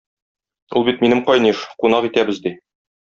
Ул бит минем кайниш, кунак итәбез, - ди.